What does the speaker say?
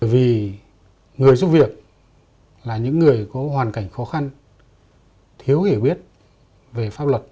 vì người giúp việc là những người có hoàn cảnh khó khăn thiếu hiểu biết về pháp luật